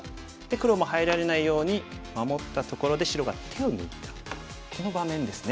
黒も入られないように守ったところで白が手を抜いたこの場面ですね。